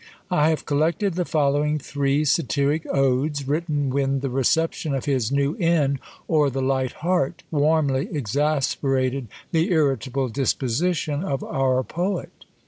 I have collected the following three satiric odes, written when the reception of his "New Inn, or The Light Heart," warmly exasperated the irritable disposition of our poet.